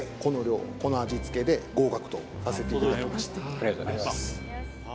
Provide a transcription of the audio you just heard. ありがとうございます